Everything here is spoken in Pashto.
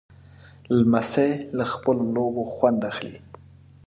لمسی له خپلو لوبو خوند اخلي.